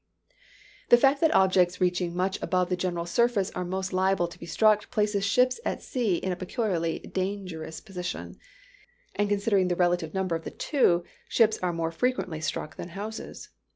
The fact that objects reaching much above the general surface are most liable to be struck, places ships at sea in a peculiarly dangerous position; and considering the relative number of the two, ships are more frequently struck than houses.